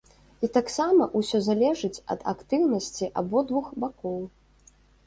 І таксама ўсё залежыць ад актыўнасці абодвух бакоў.